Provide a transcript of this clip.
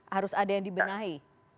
harus ada yang dibenahi